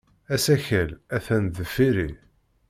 Asakal atan deffir-i.